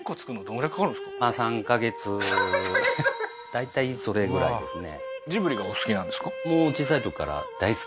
大体それぐらいですね